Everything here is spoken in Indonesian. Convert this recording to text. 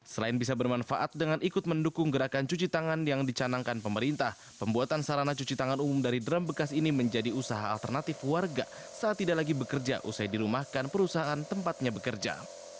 selain bisa bermanfaat dengan ikut mendukung gerakan cuci tangan yang dicanangkan pemerintah pembuatan sarana cuci tangan umum dari drum bekas ini menjadi usaha alternatif warga saat tidak lagi bekerja usai dirumahkan perusahaan tempatnya bekerja